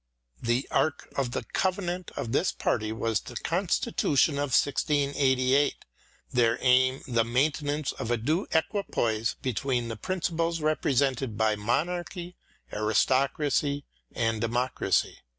The Ark of the Covenant of this party was the Constitution of 1688, their aim the maintenance of a due equipoise between the principles represented by monarchy, aristocracy, and democracy.